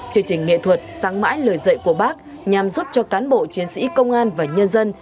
chương trình nghệ thuật sáng mãi lời dạy của bác nhằm giúp cho cán bộ chiến sĩ công an và nhân dân